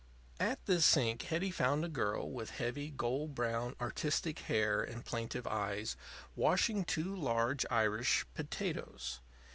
At this sink Hetty found a girl with heavy, gold brown, artistic hair and plaintive eyes, washing two large "Irish" potatoes.